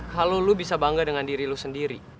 kalo lo bisa bangga dengan diri lo sendiri